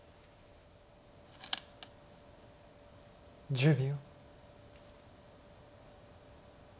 １０秒。